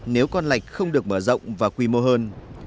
nếu con lạch không được mở rộng và quy mô hơn